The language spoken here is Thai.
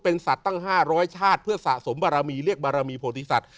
เป็นสัตว์ตั้ง๕๐๐ชาติเพื่อสะสมบารมีเรียกบารมีโพธิสัตว